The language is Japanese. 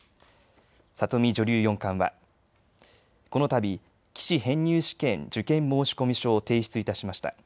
里見女流四冠は、このたび棋士編入試験受験申込書を提出いたしました。